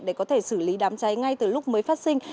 để có thể xử lý đám cháy ngay từ lúc mới phát sinh